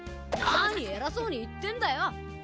なに偉そうに言ってんだよ。